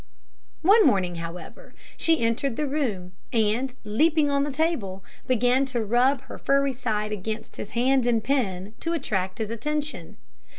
One morning, however, she entered the room, and leaping on the table, began to rub her furry side against his hand and pen, to attract his attention.